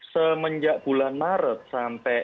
semenjak bulan maret sampai